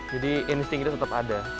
jadi insting dia tetap ada